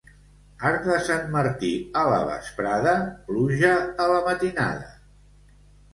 Arc de sant Martí a la vesprada, pluja a la matinada.